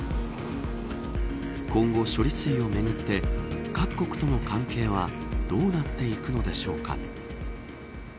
今後、処理水をめぐって各国との関係はどうなっていくのでしょうか。